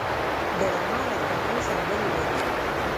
ډرامه له خوښۍ سندرې وايي